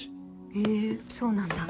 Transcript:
へぇそうなんだ。